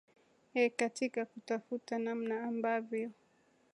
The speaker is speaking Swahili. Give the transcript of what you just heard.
eeh katika kutafuta namna ambavyo